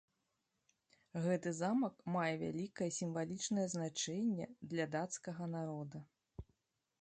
Гэты замак мае вялікае сімвалічнае значэнне для дацкага народа.